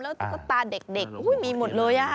ตุ๊กตาเด็กมีหมดเลย